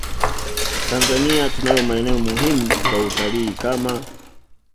Tanzania tunayo maeneo muhimu kwa utalii kama